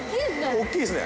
おっきいですね。